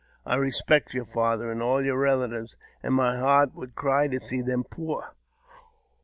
I respect your father, and all your relatives, and my heart would cry to see them poor."